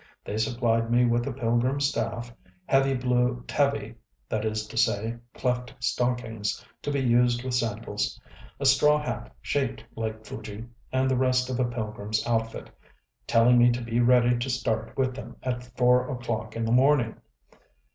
They supplied me with a pilgrim staff, heavy blue tabi (that is to say, cleft stockings, to be used with sandals), a straw hat shaped like Fuji, and the rest of a pilgrimŌĆÖs outfit; telling me to be ready to start with them at four oŌĆÖclock in the morning.